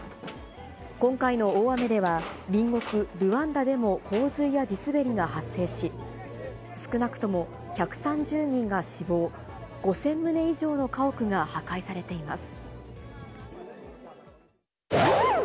今回の大雨では、隣国ルワンダでも洪水や地滑りが発生し、少なくとも１３０人が死亡、５０００棟以上の家屋が破壊されています。